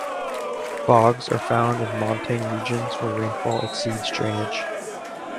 Bogs are found in montane regions where rainfall exceeds drainage.